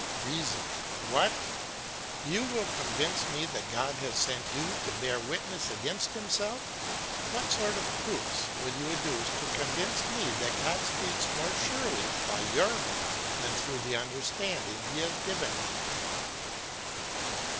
"REASON: What! you will convince me that God has sent you to bear witness against himself? What sort of proofs will you adduce to convince me that God speaks more surely by your mouth than through the understanding he has given me?